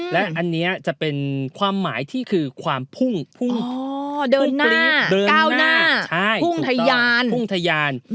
และอันนี้จะเป็นความหมายที่คือความพุ่งพุ่งปรี๊บเดินหน้าเก้าหน้าพุ่งทะยาน